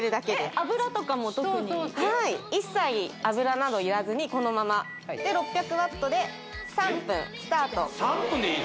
油とかも特にはい一切油などいらずにこのままで６００ワットで３分スタートえっ